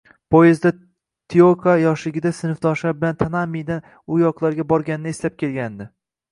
Poezdda Tiyoko yoshligida sinfdoshlari bilan Tanamidan u yoqlarga borganini eslab kelgandi